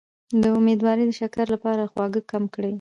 د امیدوارۍ د شکر لپاره خواږه کم کړئ